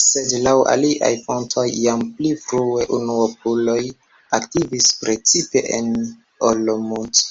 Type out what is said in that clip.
Sed laŭ aliaj fontoj jam pli frue unuopuloj aktivis, precipe en Olomouc.